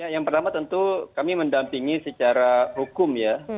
yang pertama tentu kami mendampingi secara hukum ya